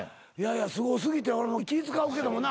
すご過ぎて俺も気使うけどもな。